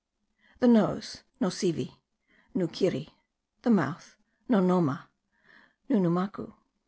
The nose : Nosivi : Nukirri. The mouth : Nonoma : Nunumacu.